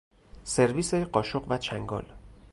سرویس قاشق و چنگال